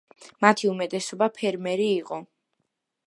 მათი უმეტესობა ფერმერი იყო.